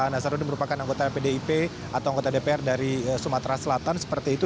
nazarudin merupakan anggota pdip atau anggota dpr dari sumatera selatan seperti itu